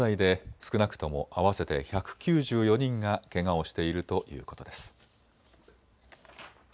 また正午現在で少なくとも合わせて１９４人がけがをしているということです。